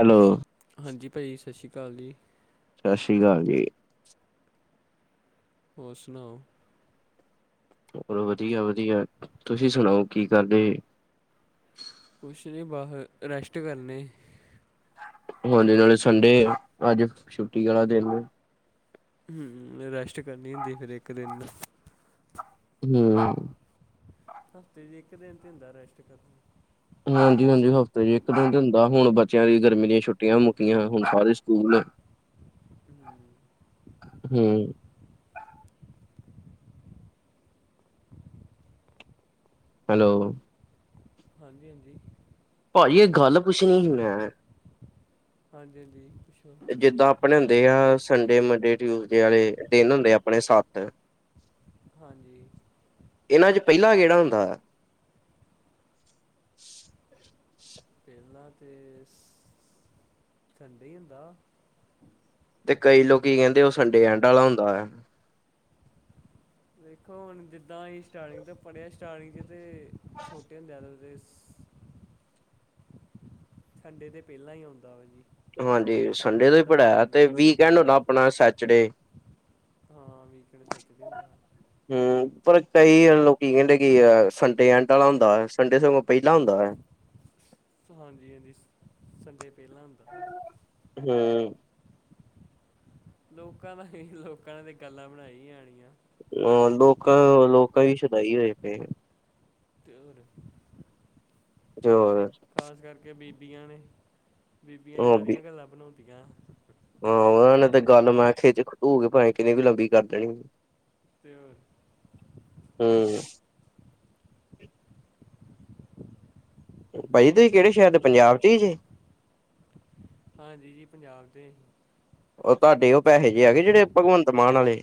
Hello. ਹਾਂਜੀ ਭਾਜੀ, ਸ਼ਸ਼੍ਰੀ ਕਾਲ ਜੀ। ਸ਼ਸ਼ੀ ਕਾਲ ਜੀ। ਹੋਰ ਸੁਨਾਓ? ਹੋਰ ਵਦੀਆ-ਵਦੀਆ, ਤੂਸੀ ਸੁਨਾਓ ਕੀ ਕਰਦੇ? ਕੁੱਸ਼ ਨੀ ਬਾਹ, ਰੈਸਟ ਕਰਨੇ। ਹਾਂਜੀ, ਨਾਲੇ ਸੰਡੇ ਏ ਆੱਜ ਛੁੱਟੀ ਆਲਾ ਦੇਨ। ਹੂੰ, ਰੈਸਟ ਕਰਨੀ ਹੁੰਦੀ ਫੇਰ ਏੱਕ ਦੇਨ। ਹੂੰ। ਹਫ਼ਤੇ ਚ ਏਕ ਦਿਨ ਤੇ ਹੁੰਦਾ ਰੈਸਟ ਕਰਨ ਨਾ। ਹਾਂਜੀ-ਹਾਂਜੀ। ਹਫ਼ਤੇ ਚ ਇੱਕ ਦਿਨ ਤੇ ਹੁੰਦਾ। ਹੁਣ ਬੱਚਿਆਂ ਦੀ ਗਰਮੀ ਦੀਆਂ ਛੁੱਟੀਆਂ ਮੁੱਕੀਆਂ, ਹੁਣ ਸਾਰੇ ਸਕੂਲ ਹਮ ਹੁੰ। ਹੈਲੋ। ਹਾਂਜੀ-ਹਾਂਜੀ। ਭਾਜੀ, ਏਕ ਗੱਲ ਪੁਛਣੀ ਹੀ ਮੈਂ। ਹਾਂਜੀ-ਹਾਂਜੀ, ਪੂਛੋ। ਜਿੱਦਾਂ ਆਪਣੇ ਹੁੰਦੇ ਆ। ਸੰਡੇ, ਮੰਡੇ, ਟਿਊਸਡੇ ਵਾਲੇ ਦਿਨ ਹੁੰਦੇ ਆ ਅਪਨੇ ਸੱਤ [inaudible] ਹਾਂਜੀ। ਏਨਾਂ ਚ ਪੈਲਾ ਕੇੜਾ ਹੁੰਦਾ? ਪੈਲਾਂ ਤੇ ਸੰਡੇ ਈ ਹੁੰਦਾ। ਤੇ ਕਈ ਲੋਕੀ ਕੈਂਦੇ, ਓ ਸੰਡੇ ਐਂਡ ਵਾਲਾ ਹੁੰਦਾ ਆ। ਦੇਖੋ, ਹੁਣ ਜਿੱਦਾਂ ਆਹੀ ਸਟਾਰਟਿੰਗ ਪੜ੍ਹਿਆ ਸਟਾਰਟਿੰਗ ਚ ਤਾਂ ਛੋਟੇ ਹੁੰਦੇ ਆ ਤੱਕ ਤੇ ਸੰਡੇ ਤੇ ਪੈਂਲਾਂ ਈ ਆਉਂਦਾ ਵਾ ਜੀ। ਹਾਂਜੀ, ਫਿਰ ਸੰਡੇ ਤੋਂ ਹੀ ਹੁੰਦਾ ਫਿਰ ਪੜ੍ਹਾਇਆ ਤੇ ਮੰਡੇ ਆਉਂਦਾ ਵੀਕ ਐਂਡ ਹੁੰਦਾ ਆਪਣਾ ਸੈਚਰਡੇ। ਹਾਂ, ਵੀਕ ਐਂਡ ਸੈਚਡੇ ਹੁੰਦਾ। ਹੁੰ। ਪਰ ਕਈ ਲੋਕ ਕੈਂਦੇ ਕਿ ਸੰਡੇ ਐਂਟ ਵਾਲਾ ਹੁੰਦਾ ਆ, ਸੰਡੇ ਸਗੋਂ ਪੈਂਲਾ ਹੁੰਦਾ ਆ। ਹਾਂਜੀ-ਹਾਂਜੀ, ਸੰਡੇ ਪੈਲਾਂ ਹੁੰਦਾ ਆ। ਹੁੰ। ਲੋਕਾਂ ਦਾ ਕੀ, ਲੋਕਾਂ ਨੇ ਤੇ ਗੱਲਾਂ ਬਣਾਈ ਆਣੀਆਂ। ਅ ਲੋਕਾਂ ਲੋਕਾਂ ਵੀ ਸ਼ਡਾਈ ਹੋਏ ਪਏ। ਤੇ ਹੋਰ। ਤੇ ਹੋਰ। ਖਾਸ ਕਰਕੇ ਬੀਬੀਆਂ ਨੇ, ਬੀਬੀਆਂ ਜੀਆਰੀਆਂ ਗੱਲਾਂ ਬਣਾਉਂਦੀਆਂ। ਆਂ ਓਨਾਂ ਨੇ ਤੇ ਗੱਲ ਮੈਂ ਖੇ ਖੂ ਕੇ ਪਾਯੇ ਕਿਨੇ ਵੀ ਲੰਬੀ ਕਰ ਦੇਣੀ। ਤੇ ਯੋਰ। ਹੁੰ। ਭਾਜੀ, ਤੁਸੀ ਕੇੜੇ ਸ਼ਹਿਰ ਦੇ, ਪੰਜਾਬ ਚ ਹੀ ਜੇ? ਹਾਂਜੀ ਜੀ। ਪੰਜਾਬ ਤੇ। ਉਹ ਤੁਹਾਡੇ ਉਹ ਪੈਸੇ ਜਿਹੇ ਜੇ ਆਗੇ, ਉਹ ਜਿਹੜੇ ਭਗਵੰਤ ਮਾਨ ਵਾਲੇ।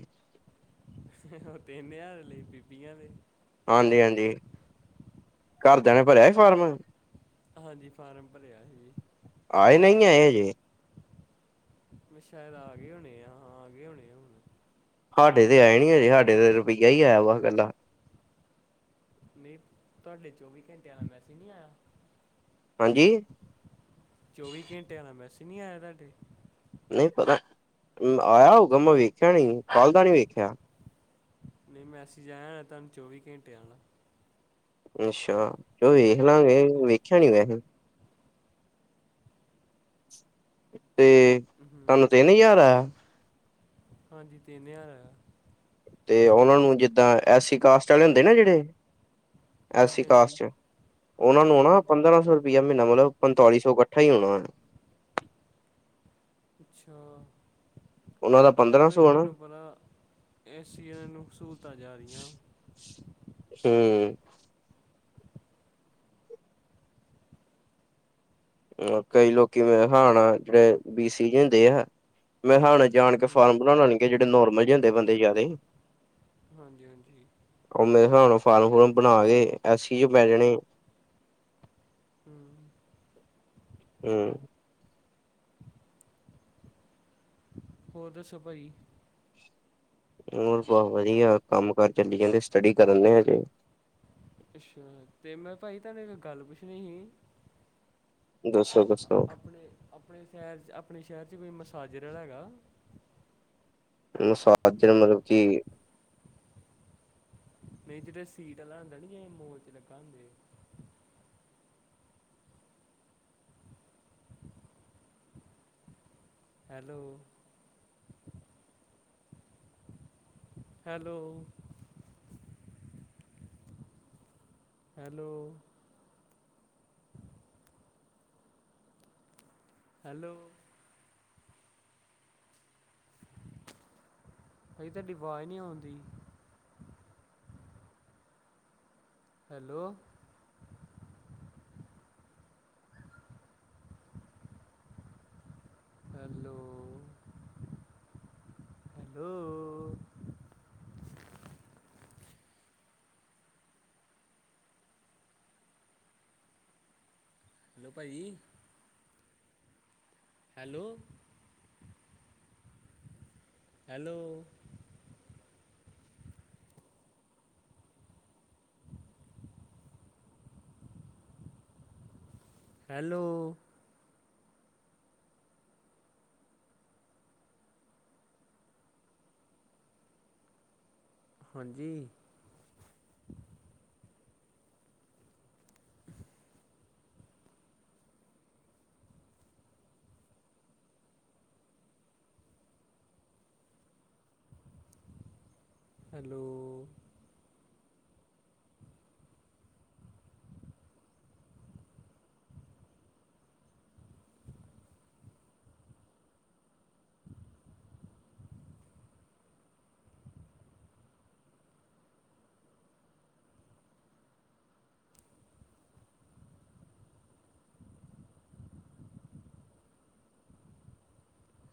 ਉਹ ਤਿੰਨ ਹਜ਼ਾਰ ਲਈ ਬੀਬੀਆਂ ਦੇ। ਹਾਂਜੀ-ਹਾਂਜੀ। ਘਰ ਦੇਆਂ ਨੇ ਭਰਿਆ ਸੀ ਫਾਰਮ। ਹਾਂਜੀ। ਫਾਰਮ ਭਰਿਆ ਸੀ ਜੀ। ਆਏ ਨਹੀਂ ਆਏ ਹਜੇ? ਮੈਂ ਸ਼ਾਇਦ ਆ ਗਏ ਹੋਣੇ ਆ। ਹਾਂ ਆ ਗਏ ਹੋਣੇ ਆ ਹੁਣ। ਸਾਡੇ ਤੇ ਆਯੇ ਨੀ ਹਜੇ। ਸਾਡੇ ਤੇ ਰੁਪਈਆ ਹੀ ਆਇਆ ਵਾ ਇਕੱਲਾ। ਨਹੀਂ, ਤੁਹਾਡੇ ਚੌਵੀ ਘੰਟਿਆਂ ਦਾ ਮੈਸੇਜ ਨਹੀਂ ਆਇਆ। ਹਾਂਜੀ। ਚੌਵੀ ਘੰਟਿਆਂ ਆਲਾ ਮੈਸੇਂਜ਼ ਨਹੀਂ ਆਇਆ ਤੁਹਾਡੇ। ਨਹੀਂ ਪਤਾ ਆਇਆ ਹੋਊਗਾ, ਮੈਂ ਵੇਖਿਆ ਨੀ, ਕੱਲ ਦਾ ਨੀ ਵੇਖਿਆ। ਨਹੀਂ ਮੈਂਸੇਸ ਜਾਇਆ ਨਾ ਤੁਹਾਨੂੰ ਚੌਵੀ ਘੰਟੇ ਆਉਣਾ ਅੱਲਾ। ਅੱਛਾ, ਚਲੋ ਵੇਖ ਲਾਂਗੇ ਵੇਖਿਆ ਨੀ ਵੈਸੇ। ਤੇ ਤੁਹਾਨੂੰ ਹੂੰ ਤਿੰਨ ਹਜ਼ਾਰ ਆਇਆ। ਹਾਂਜੀ ਤਿੰਨ ਹਜ਼ਾਰ ਆਇਆ। ਤੇ ਉਹਨਾਂ ਨੂੰ ਜਿੱਦਾਂ ਐਸ ਸੀ ਕਾਸਟ ਵਾਲੇ ਹੁੰਦੇ ਨਾ ਜਿਹੜੇ। ਐਸ ਸੀ ਹਾਂਜੀ ਹਾਂਜੀ ਕਾਸਟ ਚ, ਉਹਨਾ ਨੂੰ ਨਾ ਹੂੰ ਪੰਦਰਾਂ ਸੌ ਰੁਪ ਰ ਮਹੀਨਾ ਮਤਲਬ ਪੰਤਾਲੀ ਸੌ ਇਕੱਠਾ ਹੀ ਹੋਣਾ। ਅੱਛਾ ਉਹਨਾਂ ਦਾ ਪੰਦਰਾਂ ਉਹੀ ਸੌ ਆਣਾ ਤੁਹਾਨੂੰ ਪਤਾ, ਐਸ ਸੀ ਵਾਲਿਆ ਨੂੰ ਸਹੂਲਤਾਂ ਜਾ ਰਹੀਆਂ ਵਾਂ। ਹੂ ਕਈ ਲੋਕੀ ਮੇਰੇ ਹਿਸਾਬ ਨਾਲ਼, ਜਿਹੜੇ ਬੀ ਸੀ ਦੇ ਹੁੰਦੇ ਆ। ਮੇਰਾ ਹਿਸਾਬ ਨਾਲ ਜਾਣ ਕੇ ਫਾਰਮ ਹੂੰ ਭਰਾਉਣ ਆਉਣਗੇ ਜਿਹੜੇ ਨੋਰਮਲ ਜੇ ਹੁੰਦੇ ਜਾਂਦੇ ਬੰਦੇ ਜ਼ਿਆਦਾ ਈ ਹਾਂਜੀ- ਹਾਂਜੀ। ਉਹ ਮੇਰੇ ਹਿਸਾਬ ਨਾਲ ਫਾਰਮ ਫੁਰਮ ਬਣਾ ਕੇ ਐਸ ਸੀ ਚ ਪੈ ਜਾਣੇ। ਹੂ ਹੂ ਹੋਰ ਦੱਸੋ, ਭਾਜੀ? ਹੋਰ ਬਹੁਤ ਵਧੀਆ, ਕੰਮ ਕਾਰ ਚੱਲੀ ਜਾਂਦੇ, ਸਟੱਡੀ ਕਰਨ ਦੇ ਹਜੇ। ਅੱਛਾ, ਤੇ ਮੈਂ ਭਾਜੀ ਤੁਹਾਨੂੰ ਇੱਕ ਗੱਲ ਪੁੱਛਣੀ ਸੀ? ਦੋ ਸੌ ਕੁ ਸੌ ਆਪਣੇ -ਆਪਣੇ ਸ਼ਹਿਰ 'ਚ ਆਪਣੇ ਸ਼ਹਿਰ 'ਚ ਕੋਈ ਮਸਾਜਰ ਆਲਾ ਹੈਗਾ? ਮਸਾਜਰ ਨਾਲ ਮਤਲਬ ਕਿ। ਨਹੀਂ ਜਿਹੜਾ ਸੀਟ ਵਾਲਾ ਹੁੰਦਾ ਨੀ, ਜੇ ਮੋਚ ਨਿਕਾਲਦੇ ਹੁੰਦਾ। ਹੈਲੋ? ਹੈਲੋ? ਹੈਲੋ? ਹੈਲੋ? ਭਾਜੀ ਤੁਹਾਡੀ ਆਵਾਜ਼ ਨਹੀਂ ਆਉਂਦੀ। ਹੈਲੋ? ਹੈਲੋ? ਹੈਲੋ? ਹੈਲੋ ਭਾਜੀ? ਹੈਲੋ??? ਹੈਲੋ? ਹੈਲੋ? ਹਾਂਜੀ। ਹੈਲੋ। [inaudible]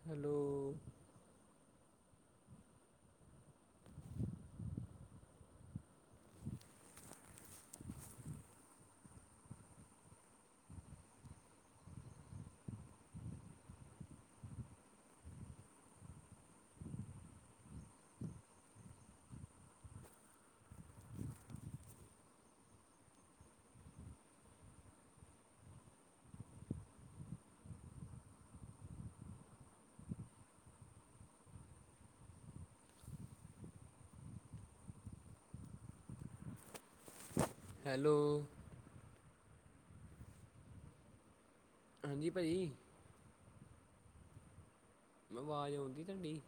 ਹੈਲੋ। ਹੈਲੋ। ਹਾਂਜੀ ਭਾਜੀ। ਆਵਾਜ਼ ਔਂਦੀ ਤਾਡੀ?